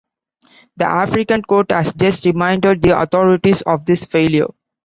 The African Court has just reminded the authorities of this failure.